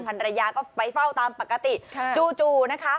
ภรรยาก็ไปเฝ้าตามปกติจู่นะคะ